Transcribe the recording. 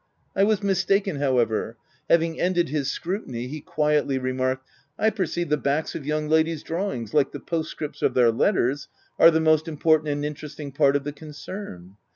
I was mistaken however — having ended his scrutiny, he quietly re marked, —" I perceive, the backs of young ladies' drawings, like the postscripts of their letters, are the most important and interesting part of the concern."